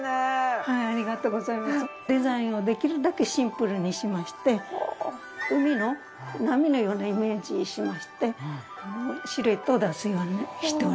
デザインをできるだけシンプルにしまして海の波のようなイメージしましてシルエットを出すようにしております。